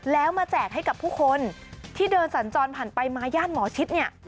แล้วมาแจกให้กับผู้คนที่เดินสัญจรผ่านไปมาย่านหมอชิดเนี่ย